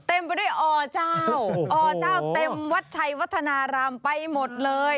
เต็มไปด้วยอเจ้าอเจ้าเต็มวัดชัยวัฒนารามไปหมดเลย